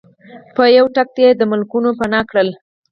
په یو ډز ته یی د ملکونو نه پناه کړل